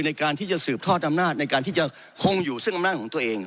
ในการที่จะสืบทอดอำนาจในการที่จะคงอยู่ซึ่งอำนาจของตัวเอง